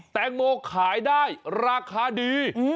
แตงโมขายได้ราคาดี